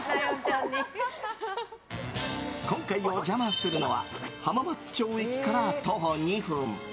今回お邪魔するのは浜松町駅から徒歩２分。